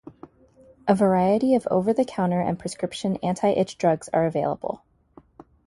A variety of over-the-counter and prescription anti-itch drugs are available.